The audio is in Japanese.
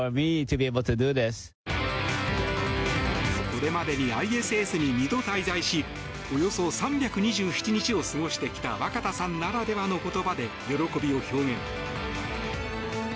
これまでにＩＳＳに２度滞在しおよそ３２７日を過ごしてきた若田さんならではの言葉で喜びを表現。